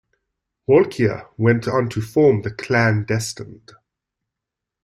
Walkyier went on to form The Clan Destined.